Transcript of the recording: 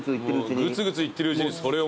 ぐつぐついってるうちにそれを。